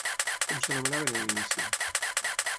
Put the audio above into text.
Com s'anomenaven en inici?